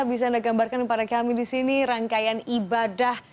bisa anda gambarkan kepada kami di sini rangkaian ibadah